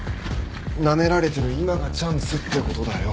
なめられてる今がチャンスってことだよ